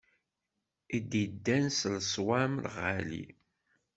I d-iddan s leswam ɣali.